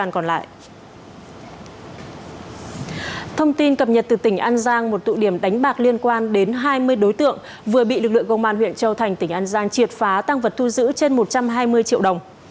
thông tin cập nhật từ tỉnh an giang một tụ điểm đánh bạc liên quan đến hai mươi đối tượng vừa bị lực lượng công an huyện châu thành tỉnh an giang triệt phá tăng vật thu giữ trên một trăm hai mươi triệu đồng